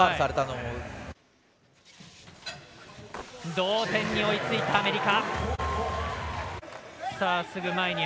同点に追いついたアメリカ。